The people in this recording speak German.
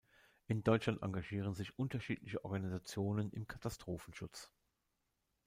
In Deutschland engagieren sich unterschiedliche Organisationen im Katastrophenschutz.